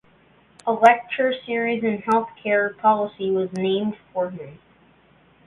A lecture series in health care policy was named for him.